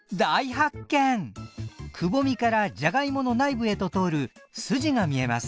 くぼみからじゃがいもの内部へと通る筋が見えます。